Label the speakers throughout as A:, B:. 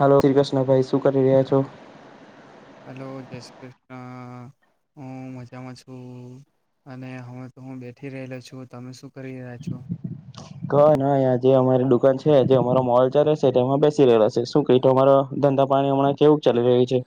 A: હાલલો શ્રીકૃષ્ણભાઈ શું કરી રહ્યા છો
B: હલો જય શ્રી કૃષ્ણ હું મજામાં છું અને હવે તો હું બેઠી રહેલો છું તમે શું કરી રહ્યા છો
A: ઘ નાંજે અમારી દુકાન છે આજ અમારો મોલ ચાલે છે તેમાં બેસી રહેલા છે શું ક તો અમારા ધંધા પાણી હમણાં કેવું ચાલી રહ્યું છે.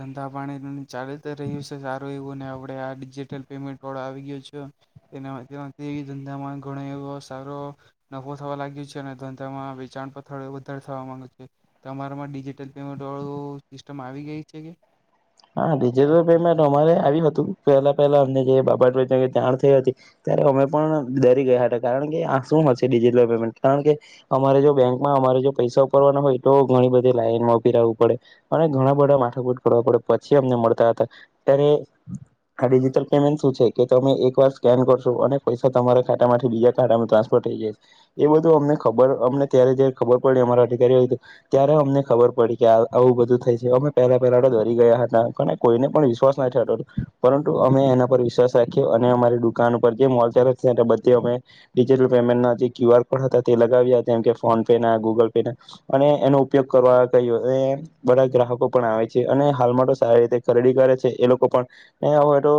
B: ધંધા પાણી ચાલી તો રહ્યું છે સારું ને આપડણે આ ડિજિટલ પેમેન્ટ વાળો આવી ગય છે એના ધંધામાં ઘણો એવો સારો નફો થવા લાગ્યો છે અને ધંધામાં વેચાણ પથડ વધારે થવા માંગે છે તમારામાં ડિજિટલ પેમેન્ટ વાળું સિસ્ટમ આવી ગઈ. જક
A: હા ડિજિટલ પેમેન્ટ અમારે આવ હતું પહેલા પહેલા અમને જે બાબાાઈ જાણ થઈ હતી ત્યારે અમે પણ ડરી ગયા હતા કારણ કે આ શું હશે ડિજિટલ પેમેન્ટ કારણ કે અમારે જો બેંકમાં અમારે જો પૈસા ઉપરવાના હોય તો ઘણી બધી લાઈનમાં ઉપી રવું પડે અને ઘણા બધા માથાકૂટ કરવા પડે. પછી અમને મળતા હતા ત્યારે આ ડિજિટલ પેમેન્ટ શું છે કે તમે એક વાર સ્કેન કરશો અને પૈસા તમારા ખાતામાંથી બીજા ખાતામાં ટ્રાન્સફર થઈ જાય એ બધું અમને ખબર અમને ત્યારે જ ખબર પડી અમારા અધિકારી હોય ત્યારે અમને ખબર પડી કે આવું બધું થાય છે અમે પહેલા પહેલા કોઈને પણ વિશ્વાસ નાતો પરંતુ અમે એના પર વિશ્વાસ રાખ્યો અને અમારી દુકાન ઉપર જે મોલ ચ બધ અમેટલ પેમેન્ટ ના જે ક્યુ આર કોડ હતા તે લગાવ્યામ કે ફોન પે ના ગૂગલ પે ના અને એનો ઉપયોગ કરવા કહ્યો બધા ગ્રાહકો પણ આવે છે અને હાલમાં તો સારી રીતે ખરીદી કરે છે એ લોકો પણવે તો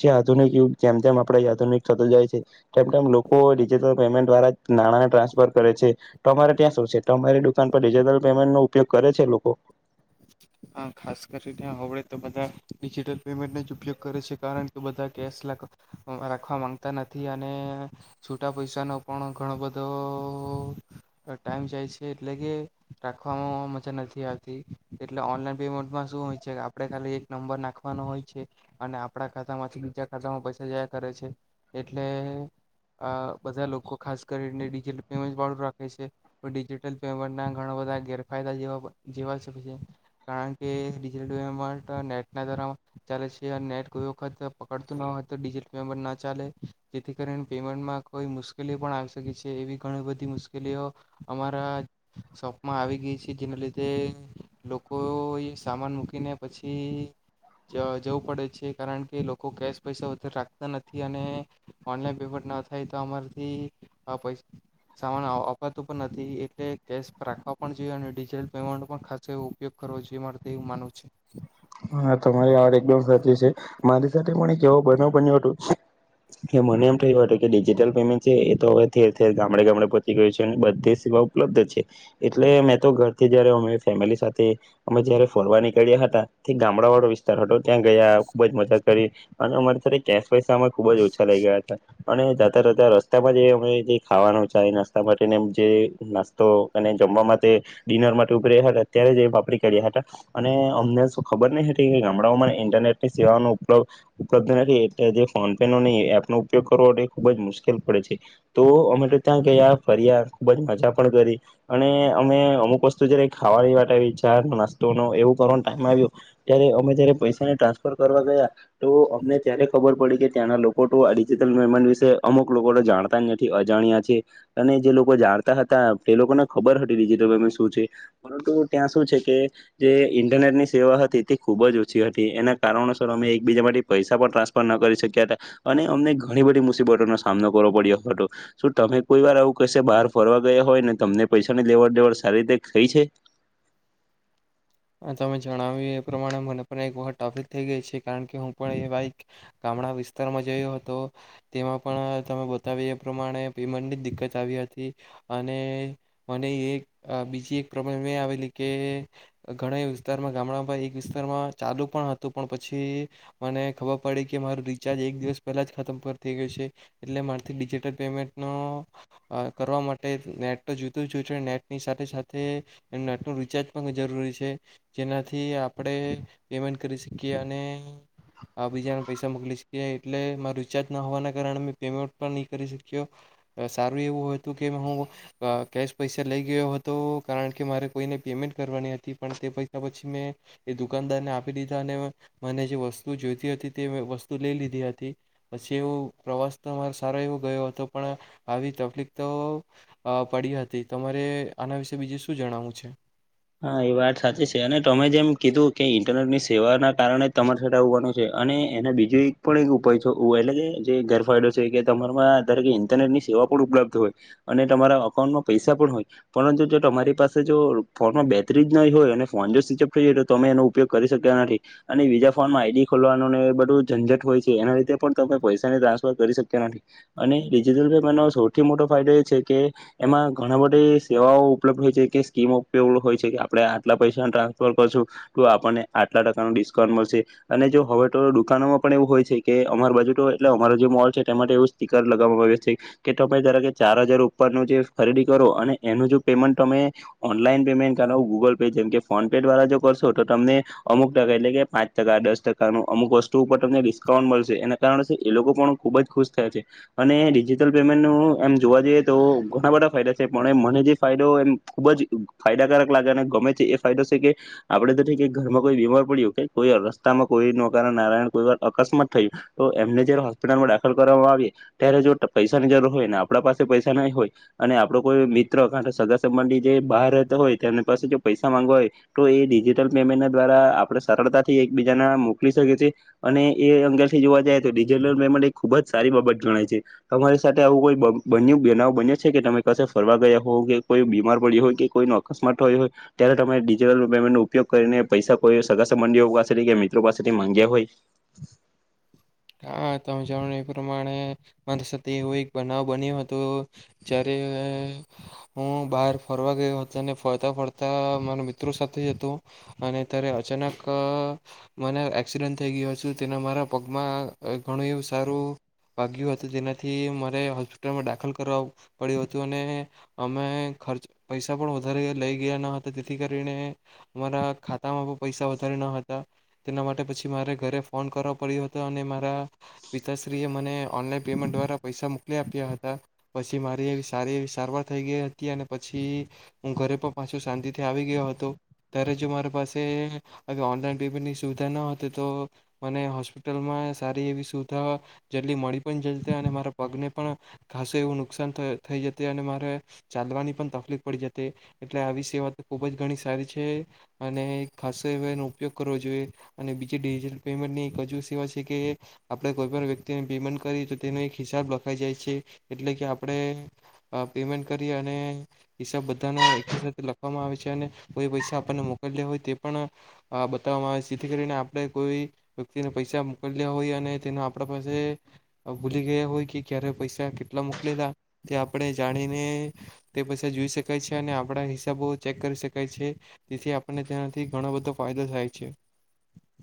A: જે આધુનિક યુ જેમ જેમ આપડ આધુનિક થતું જાય છે તેમ તેમ લોકો ડિજટલ પેમેન્ટ દ્વારા નાણાંને ટ્રાન્સફર કરે છે તોરે ત્યાં શો છે તો અરી દુકાન પર ડિજટલ પેમેન્ટ નો ઉપયોગ કરે છે લોકો
B: હા ખાસ કરીને્યા હળે તો બધા ડિજિટલ પેમેન્ટનો જ ઉપયોગ કરે છે કારણ કે બધા કેશ રાખવા માંગતા નથી અને છૂટા પૈસાનો પણ ઘણો બધો ટાઈમ જાય છે એટલે કે રાખવામાં મજા નથી આવતી એટલે ઓનલાઈન પેમેન્ટમાં શું હોય છે આપણે ખાલી એક નંબર નાખવાનો હોય છે અને આપણા ખાતામાંથી બીજા ખાતામાં પૈસા જયા કરે છે એટલે બધા લોકો ખાસ કરીને ડિજટલ પેમેન્ટ વાળું રાખે છે ડિજિટલ પેમેન્ટ ના ઘણા બધા ગેરફાયદાવા જેવા કારણ કેલ પેમેન્ટ નેટના દ્વારા ચાલે છે અને નેટ કોઈ વખત પકડતું ન હોય તોિજટલ પેમેન્ટ ના ચાલે જેથી કરીને પેમેન્ટમાં કોઈ મુશ્કેલી પણ આવી શકે છે એવી ઘણી બધી મુશ્કેલીઓ અમારા શોપમાં આવી ગઈ છે જેના લીધે લોકો એ સામાન મૂકીને પછી જવું પડે છે કારણ કે લોકો કેશ પૈસા વધારે રાખતા નથી અને ઓનલાઈન પેમેન્ટ ના થાય તો અમારેથી સામાન અપાતું પણ નથી એટલે કેશ રાખવા પણ જોઈએ અનેિજટલ પેમેન્ટ પણ ખ વ ઉપયોગ કરવો જે મારેવું માનવું છે.
A: હા તમારી વાત એકદમ સાચી છે મારી સાથે પણ એક એવો બનવ બન્યો હતું કે મને એમ થયું હતું કે ડિજિટલ પેમેન્ટ છે એ તો હવે ેરેર ગામડે ગામડે પહચી ગયું છે અને બધી સેવા ઉપલબ્ધ છે એટલે મેં તો ઘરથી જયારે અમે ફેમિલી સાથે અમે જયારે ફોરવા નીકળ્યા હતા. ગામડા વાળો વિસ્તાર હતો ત્યાં ગયા ખુબ જ મજા કરી અને અમારે સાથે ગસ પૈસા અ ખુબ જ ઓછા લઈ ગયા હતા અને જાતા જતા રસ્તામાં જે અ જે ખાવાનો છે નાસ્તા માટેને જે નાસ્તો અને જમવા માટે ડિનર માટે ઉભી રહ્યા હતા ત્યારે જ એ વાપરી કર્યા હતા અને અમને ખબર નહ હતી ગામડાઓમાંને ઇન્ટરનેટ ની સેવાઓનો ઉપ ઉપલબ્ધ નથી એટલે જે ફોન પે નો નહીં એપનોો ઉપયોગ કરવો એ ખૂબ જ મુશ્કેલ પડે છે તો અમે ત્યાં ગયા ફર્યા ખૂબ જ મજા પણ કરી અને અમે અમુક વસ્તુ જ્યારે ખાવાની વા વિચાર નાસ્તો ન એવું કરવાનો ટાઈમેમ આવ્યો. ત્યારે અમે જયારે પૈસાને ટ્રાન્સફર કરવા ગયા તો અમને ત્યારે ખબર પડી કે ત્યાંના લોકો તો આ ડિજિટલ પેમેન્ટ વિશે અમુક લોકો તો જાણતા નથી અજાણ્યા છે અને જે લોકો જાણતા હતા તે લોકોને ખબર હતી ડિજિટલ પેમેન્ટ શું છે પરંતુ ત્યાં શું છે કે જે ઇન્ટરનેટ ની સેવા હતી. તે ખૂબ જ ઓછી હતી એના કારણોસર અમે એકબીજા માટે પૈસા પણ ટ્રાન્સફર ના કરી શક્યા હતા અને અમને ઘણી બધી મુસીબતોનોો સામનો કરવો પડ્યો હતો શું તમે કોઈ વાર આવું કશે બહાર ફરવા ગયા હોય ને તમને પૈસાની લેવડ દેવડ સારી રીતે થઈ છે.
B: તમે જણાવ્યું એ પ્રમાણે મને પણ એક વખત ટ્રાફિક થઈ ગઈ છે કારણ કે હું પણ એ બાઈક ગામડા વિસ્તારમાં ગયો હતો તેમાં પણ તમે બતાવી એ પ્રમાણે પેન્ટની દિકકત આવી હતી અને મને એક બીજી એક પ્રબલેમ એ આવેલી કે ઘણા વિસ્તારમાં ગામડામાં એક વિસ્તારમાં ચાલુ પણ હતું પણ પછી મને ખબર પડી કે મારું રિચાર્જ એક દિવસ પહેલાં જ ખતમ થઈ ગયું છે એટલે મારીથી ડિજિટલ પેમેન્ટનો કરવા માટે નેટ તો જોઈતું જ જોયું છે નેટની સાથે સાથે નેટનો રિચાર્જ પણ જરૂરી છે. જેનાથી આપણે પેમેન્ટ કરી શકીએ અને આ બીજાને પૈસા મોકલી શકીએ એટલે મા રીચાર્જ ના હોવાના કારણે મે પેમેન્ટ પણ નહી કરી શક્યો સારું એવું હતું કે હું કેશ પૈસા લઈ ગયો હતો કારણ કે મારે કોઈને પેમેન્ટ કરવાની હતી. પણ તે પૈસા પછી મેં એ દુકાનદારને આપી દીધા અને મને જે વસ્તુ જોઈતી હતી તે વસ્તુ લઈ લીધી હતી પછી એવ પ્રવાસ તો સારો એવો ગયો હતો પણ આવી તકલીફ તો પડી હતી તમારે આના વિશે બીજું શું જણાવું છે.
A: હા એ વાત સાચી છે અને તમે જેમ કીધું કે ઇન્ટરનેટની સેવાના કારણે તમારે આવવાનું છે અને એના બીજું એક પણ એક ઉપાય છે એટલે કે જે ગેરફાયદો છે કે તમારમાંરે કે ઇન્ટરનેટ ની સેવા પણ ઉપલબ્ધ હોય અને તમારા અકાઉન્ટમાં પૈસા પણ હોય પરંતુ જો તમારી પાસે જો ફોનમાં બેટરી જ નહીં હોય અને ફોન જો સ્વિચઅપ થઈ જએ તો તમે એનો ઉપયોગ કરી શક્યા નથી અને બીજા ફોનમાં આઈડી ખોલવાનો ને એ બધું ઝંઝટ હોય છે એના લીધે પણ તમે પૈસાની ટ્રાન્સફર કરી શક્યા નથી અને ડિજિટલ પેમેન્ટનો સૌથી મોટો ફાયદો એ છે કે એમાં ઘણા બધી સેવાઓ ઉપલબ્ધ હોય છે કે સ્કીમો હો છે કે આપડણે આટલા પૈસા ટ્રાન્સફર કરશું તો આપણને આટલા ટકાનું ડિસ્કાઉન્ટ મળશે અને જો હવે તો દુકાનોમાં પણ એવું હોય છે કે અમાર બજુટ એટલે અમારો જે મોલ છે તે માટે એવું સ્ટીકર લગાવવામાં આવ છે કે તમે જરા કે ચાર હજાર ઉપરનું જે ખરીદી કરો અને એનું જો પેમેન્ટ તમે ઓનલાઈન પેમેન્ટ કર ગૂગલ પે જેમ કે ફોન પે દ્વારા જો કરશો તો તમને અમુક ટકા એટલે કે પાંચ ટકા દસ ટકાનું અમુક વસ્તુ ઉપર તમને ડિસ્કાઉન્ટ મળશે એના કારણે એ લોકો પણ ખૂબ જ ખુશ થયા છે અને ડિજિટલ પેમેન્ટનું એમ જોવા જઈએ તો ઘણા બધા ફાયદા છે પણ એ મને જે ફાયદો એમ ખૂબ જ ફાયદાકારક લાગે અને ગમે છે એ ફાયદો છે કે આપડે તો થ ઘરમાં કોઈ બીમાર પડ્યું કે કોઈ રસ્તામાં કોઈ ન કાર નારાયણ કોઈ વાર અકસ્માત થયું તો એમને જયારે હોસ્પિટલમાં દાખલ કરવામાં આવી ત્યારે જો પૈસાની જરૂર હોય ને આપણા પાસે પૈસા નહીં હોય અને આપડો કોઈ મિત્ર કારણ કે સગા સંબંધી જે બહાર રહેતો હોય તો એની પાસે જો પૈસા માંગવા હોય તો એ ડિજિટલ પેમેન્ટના દ્વારા આપણે સરળતાથી એકબીજાના મોકલી શકીએ છીએ અને એ અંગેથી જોવા જાય તો ડિજિટલ પેમેન્ટ એ ખૂબ જ સારી બાબત જણાય છે તમારી સાથે આવું કોઈ બન બનાવ બન્યો છે કે તમે કસે ફરવા ગયા હો કે કોઈ બીમાર પડી્યો હોય કોઈ ન અકસ્માત હોય હોય ત્યારેટલ પેન્ટ ન ઉપયોગ કરીને પૈસા કોઈ સગા સંબંધીઓ પાસેથી કે મિત્રો પાસેથી માંગ્યા હોય
B: આ તમે જાણ એ પ્રમાણે મારી સાથે એવો એક બનાવ બન્યો હતો જ્યારે હું બહાર ફરવા ગયો હતો અને ફરતા ફરતા મારા મિત્રો સાથે હતોું અને ત્યારે અચાનક મને એક્સિડન્ટ થઈ ગયો હતું તેના મારા પગ માં ઘણું એવું સારું વાગ્યું હતું જેનાથી મારે હોસ્પિટલમાં દાખલ કરવા પડ્યું હતું અને અમે ખર્ચ પૈસા પણ વધારે લઈ ગયા ન હતા જેથી કરીને અમારા ખાતામાં પણ પૈસા વધારે ન હતા તેના માટે પછી મારે ઘરે ફોન કરવા પડ્યો હતો તો અને મારા પિતાશ્રીએ મને ઓનલાઈન પેમેન્ટ દ્વારા પૈસા મોકલી આપ્યા હતા પછી મારી એવી સારી એવી સારવાર થઈ ગઈ હતી અને પછી હું ઘરે પણ પાછું શાંતિથી આવી ગયો હતો ત્યારે જો મારા પાસે આવી ઓનલાઈન પેમેન્ટની સુવિધા ન હતી તો મને હોસ્પિ લમાં સારી એવી સુવિધા જેટલી મળી પણ જશે અને મારા પગને પણ ખાસું એવું નુકસાન થ થઈ જશે અને મારે ચાલવાની પણ તકલીફ પડી જતી એટલે આવી સેવા તો ખુબ જ ઘણી સારી છે અને ખાસો એવ એનો ઉપયોગ કરવો જોઈએ અને બીજી ડિજિટલ પેમેન્ટની એકજુ આપણે કોઈ પણ વ્યક્તિને પેમેન્ટ કરીએ તો તેનો એક હિસાબ લખાઈ જાય છે એટલે કે આપણે પેમેન્ટ કરી અને હિસાબ બધાનો એક લખવામાં આવે છે અને કોઈ પૈસા આપણને મોકલી લે હોય તે પણ બતાવવામાં આવે છે જેથી કરીને આપણે કોઈ વ્યક્તિને પૈસા મોકલ્યા હોય અને તેનો આપણા પાસે ભૂલી ગયા હોય કે ક્યારે પૈસા કેટલા મોકલેલાા તે આપણે જાણીને તે પૈસા જોઈ શકાય છે અને આપણા હિસાબો ચેક કરી શકાય છે તેથી આપણને તેનાથી ઘણો બધો ફાયદો થાય છે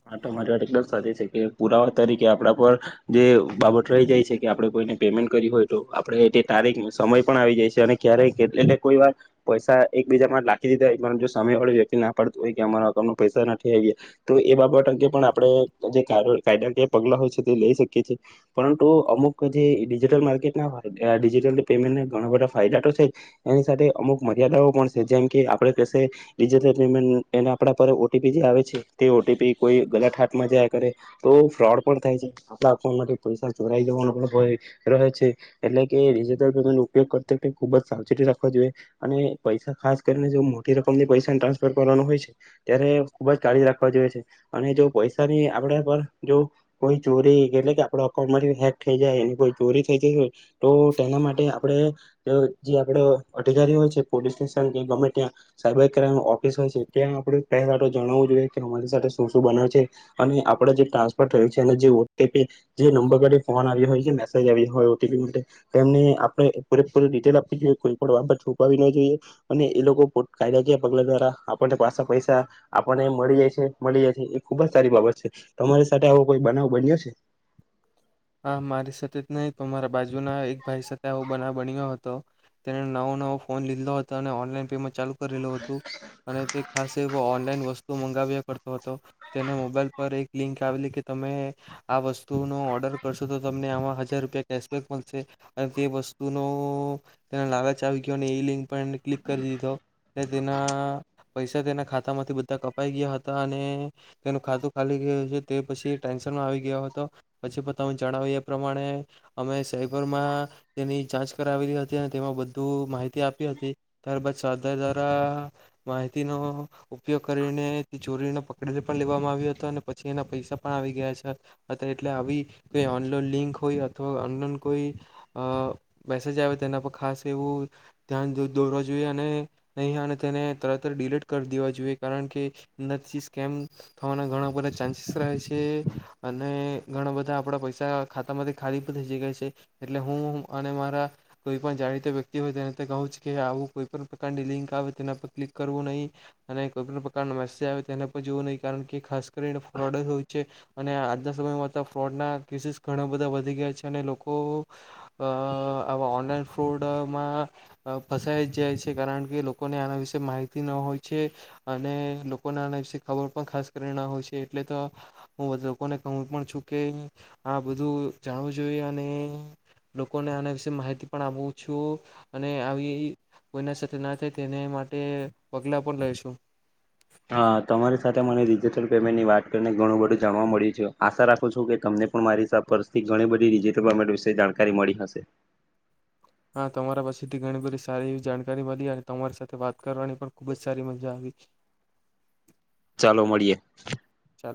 A: હા તમારી વાત એકદમ સાચી છે કે પુરાવા તરીકે આપડા પર જે બાબત રહી જાય છે કે આપડે કોઈને પેમેન્ટ કરી હોય તો આપડે તે તારીખ સમય પણ આવી જાય છે અને ક્યારેય એટલે કોઈ વાર પૈસા એકબીજામાં લખી દીધા હોય જો સમય વાળો વ્યક્તિ ના પાડત હોય કે અમારા અઉન્ટ પૈસા નથી આવી તો એ બાબત અંગે પણ આપણે જે કાયદાકી પગલાં હોય છે તે લઈ શકીએ છીએ પરંતુ અમુક જે ડિજિટલ માર્કેટના ડિજિટલ પેમેન્ટના ઘણા બધા ફાયદા તો છે એની સાથે અમુક મર્યાદાઓ પણ છે જેમ કે આપણે કશે ડિજિટલ પેમેન્ટ એના આપણા પર ઓટીપી જે આવે છે તે એ પી કોઈ ગલત હાથમાં જાય કરે તો ફ્રોડ પણ થાય છે ખાલા ફમાંથી પૈસા ચોરાઈ જવાનો પણ હોય રહે છે એટલે કે ડિજિટલ પેમેન્ટનો ઉપયોગ કરતા ખૂબ જ સાવચેતી રાખવા જોઈએ અને પૈસા ખાસ કરીને જો મોટી રકમની પૈસાને ટ્રાન્સફર કરવાનો હોય છે ત્યારે ખૂબ જ કાળી રાખવા જોઈએ છે અને જો પૈસાની આપડે પર જો કોઈ ચોરી એટલે કે આપડ અઉન્ટ માંથી હેક થઈ જાય કોઈ ચોરી થઈ જાય તો તેના માટે આપણે જે આપડ અધિકારી હોય છે પોલીસ સ્ટેશન કે ગમે ત્યાં સાયબર ક્રાઈમ ઓફિસ હોય છે ત્યાં આપડે પહેલા તો જણાવવું જોઈએ કે અમારી સાથે શું શું બન છે અને આપડે જે ટ્રાન્સફર થયું છે અને જેપ જે નંબર માટે ફોન આવ્યો હોય કે મેસેજ આવ હોય ઓપી માટે તેમને આપણે પૂરેપૂરી ડિટેલ આપવી જોઈએ કોઈ પણ બાબત છુપાવી ન જોઈએ અને એ લોકો પો કાયદાકી પગલા દ્વારા આપણને પાછ પૈસા આપણને મળી જાય છે મળી જ છે એ ખુબ જ સારી બાબત છે તમારી સાથે આવો કોઈ બનાવ બન્યો છે
B: હા મારી સાથે જ નહી તમારા બાજુ ના એક ભાઈ સાથેું બનાવ બન્યો હતો તેને નવો નવો ફોન લીધો હતો અને ઓનલાઈન પે ચાલુ કરેલું હતું અને તે ખાસ ઓનલાઈન વસ્તુ મંગાવ્યા હતો તેને મોબાઈલ પર એક લિંક આવેલી કે તમે આ વસ્તુનો ઓર્ડર કરશો તો તમને આમાં હજાર રૂપિયા કેશબેક મળશે અને તે વસ્તુનો તેને લાલચ આવી ગયો અને એ લિંક પણ ક્લિક કરી દીધો અને તેના પૈસા તેના ખાતામાંથી બધા કપાઈ ગયા હતા અને તેનું ખાતું ખાલી ગયું છે તે પછી ટેન્શનમાં આવી ગયો હતો પછી તમે જણાવી એ પ્રમાણે અમે સાઈબરમાં તેની જાંચ કરાવેલી હતી અને તેમાં બધુ માહિતી આપી હતી ત્યારબાદ સરધર દ્વારા માહિતીનો ઉપયોગ કરીને તે ચોરીને પકડીને પણ લેવામાં આવ્યો હતો અને પછી એના પૈસા પણ આવી ગયા છે એટલે આવી કો અનલોન લિંક હોય અથવાનન કોઈ અ મેસેજ આવે તેના પર ખાસ એવું ધ્યાન દોરવા જોઈએ અને નહી તેને તરતર ડડીલીટ કરી દેવા જોઈએ કારણ કે અંદરથી સ્કેમ થવાના ઘણા બધા ચાન્સીસ રહે છે અને ઘણા બધા આપણા પૈસા ખાતામાંથી ખાલી પણ થઈ જ ગાય છે એટલે હું અને મારા કોઈ પણ જાણીતા વ્યક્તિ હોય તેને તો કહું છ કે આવું કોઈ પણણ પ્રકારની લિંક આવે તેના પર ક્લિક કરવું નહીં અને કોઈપણ પ્રકારનો મેસેજ આવે તેને પર જોવું નહીં કારણ કે ખાસ કરીને ફ્રોડ જ હોય છે અને આજના સમયમાં તો ફ્રોડના કેસીસ ઘણા બધા વધી ગયા છે અને લોકો આવા ઓનલાઈન ફ્રોડમાં ફસાઈ જ જાય છે કારણ કે લોકોને આના વિશેે માહિતી ન હોય છે અને લોકોને આના વિશે ખબર પણ ખાસ કરીને ના હોય છે એટલે તો હું બધા લોકોને કહું પણ છું કે આ બધું જાણવું જોઈએ અને લોકોને આના વિશે માહિતી પણ આપું છું અને આવી કોઈના સાથે ના થાય તેને માટે પગલા પણ લઈ છું
A: હ તમારી સાથે મને ડિજિટલ પેમેન્ટની વાત કરીને ઘણું બધું જાણવા મળ્યું છે આશા રાખું છું કે તમને પણ મારી પર્સથી ઘણી બધી ડિજિટલ પેમેન્ટ વિશે જાણકારી મળી હશે
B: હા તમારા પાસેથી ઘણી બધી સારી એવી જાણકારી મળી અને તમારી સાથે વાત કરવાની પણ ખુબ જ સારી મજા આવી
A: ચાલો મળીએે
B: ચાલો